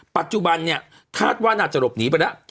ปัจจุบันเนี่ยท่าตัวน่าจะหลบหนีไปละ